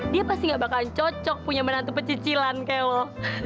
dia pasti nggak bakalan cocok punya menantu pecicilan kayak lo